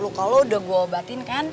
nah lu kalau udah gue obatin kan